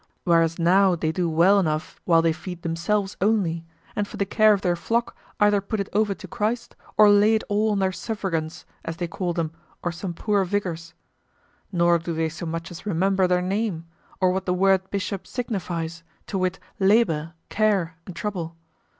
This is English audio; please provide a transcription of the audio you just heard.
Whereas now they do well enough while they feed themselves only, and for the care of their flock either put it over to Christ or lay it all on their suffragans, as they call them, or some poor vicars. Nor do they so much as remember their name, or what the word bishop signifies, to wit, labor, care, and trouble.